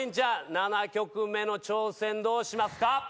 ７曲目の挑戦どうしますか？